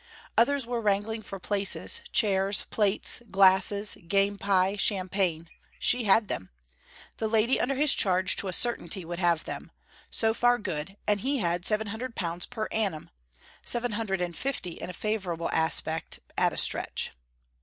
Others were wrangling for places, chairs, plates, glasses, game pie, champagne: she had them; the lady under his charge to a certainty would have them; so far good; and he had seven hundred pounds per annum seven hundred and fifty, in a favourable aspect, at a stretch....